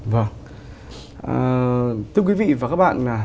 vâng thưa quý vị và các bạn